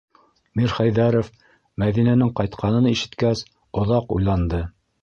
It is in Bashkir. Мирхәйҙәров, Мәҙинәнең ҡайтҡанын ишеткәс, оҙаҡ уйланды.